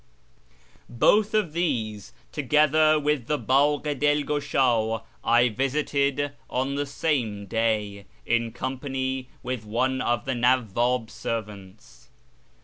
Both of these, together with the Bdgh i Dilgushd, I visited on the same day, in company with one of the Nawwab's servants.